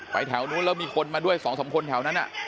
แถวนู้นแล้วมีคนมาด้วย๒๓คนแถวนั้น